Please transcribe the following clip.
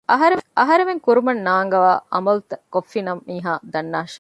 އަހަރެމެން ކުރުމަށް ނާންގަވާ ޢަމަލެއް ކޮށްފި މީހާ ދަންނާށޭ